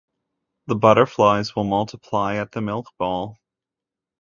The butterflies will multiply at the milk bowl.